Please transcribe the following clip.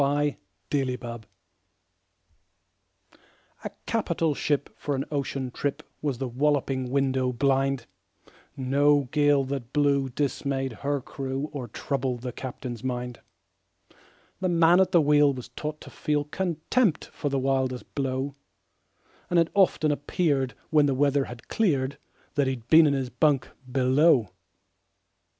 Y Z A Nautical Ballad A CAPITAL ship for an ocean trip Was The Walloping Window blind No gale that blew dismayed her crew Or troubled the captain's mind. The man at the wheel was taught to feel Contempt for the wildest blow, And it often appeared, when the weather had cleared, That he'd been in his bunk below.